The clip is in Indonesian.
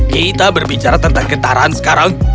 kita berbicara tentang ketaraan sekarang